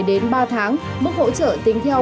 đến ba tháng mức hỗ trợ tính theo